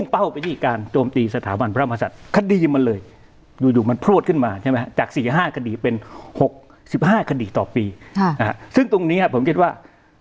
เป็นหกสิบห้าคณิตต่อปีซึ่งตรงนี้ผมคิดว่า